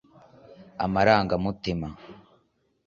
amarangamutima